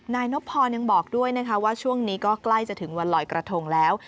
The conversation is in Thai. นายนบพรยังบอกด้วยนะคะว่าช่วงนี้ก็ใกล้จะถึงวันลอยกระทงแล้ว